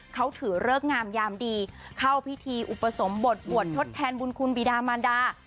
เขาถือเลิกงามยามดีเข้าพิธีอุปสมบทบวชทดแทนบุญคุณบีดามันดา